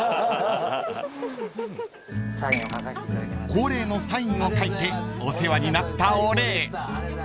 ［恒例のサインを書いてお世話になったお礼］